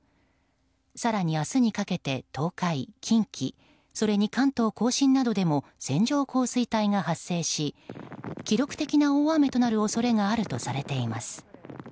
更に明日にかけて東海・近畿それに関東・甲信などでも線状降水帯が発生し記録的な大雨となる恐れがあるとされています。